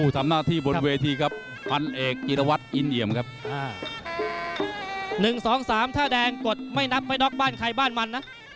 ๑๓ท่าแดงกดไม่นับไม่ด็อกบ้านใครบ้านมันนะ